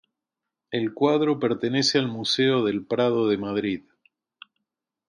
El cuadro pertenece al Museo del Prado de Madrid.